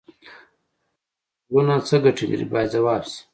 څنګلونه څه ګټې لري باید ځواب شي.